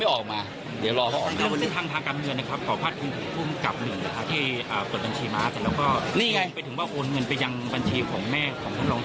ยังไม่ได้คุยเขายังไม่ออกมาเดี๋ยวรอเขาออกมา